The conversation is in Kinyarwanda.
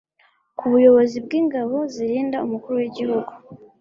ku buyobozi bw'ingabo zirinda umukuru w'igihugu